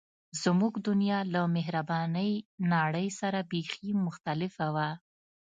زموږ دنیا له بهرنۍ نړۍ سره بیخي مختلفه وه